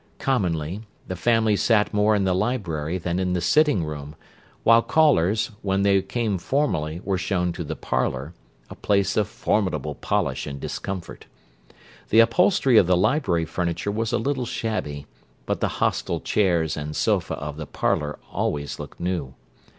Commonly, the family sat more in the library than in the "sitting room," while callers, when they came formally, were kept to the "parlour," a place of formidable polish and discomfort. The upholstery of the library furniture was a little shabby; but the hostile chairs and sofa of the "parlour" always looked new.